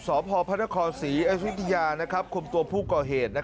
สอบพ่อพระนครศรีอศิษยาควรมตัวผู้ก่อเหตุ